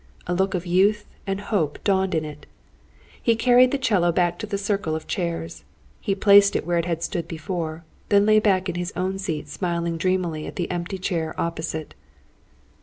A look of youth and hope dawned in it. He carried the 'cello back to the circle of chairs. He placed it where it had stood before; then lay back in his own seat smiling dreamily at the empty chair opposite.